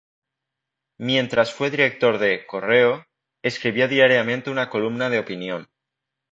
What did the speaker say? Mientras fue director de "Correo", escribió diariamente una columna de opinión.